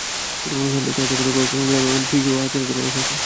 অনুষ্ঠান দেখতে আশপাশের কয়েক গ্রামের নারী, শিশুসহ হাজার হাজার মানুষ আসে।